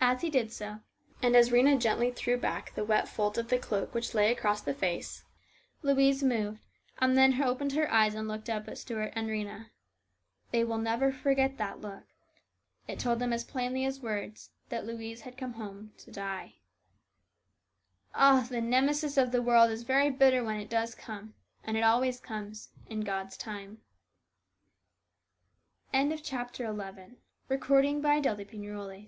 As he did so, and as Rhena gently threw back the wet fold of a cloak which lay across the face, Louise 288 HIS BROTHER'S KEEPER. moved, and then opened her eyes and looked up at Stuart and Rhena. They will never forget that look. It told them as plainly as words that Louise had come home to die. Ah ! the Nemesis of the world is very bitter when it does come, and it always comes, in God's time. CHAPTER XII.